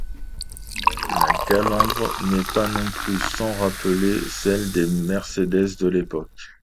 La calandre n'est pas non plus sans rappeler celle des Mercedes de l'époque.